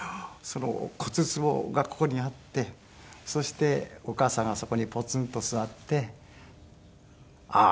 骨つぼがここにあってそしてお母さんがそこにポツンと座ってああ